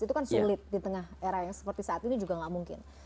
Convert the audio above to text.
itu kan sulit di tengah era yang seperti saat ini juga nggak mungkin